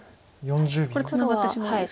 これツナがってしまいますか。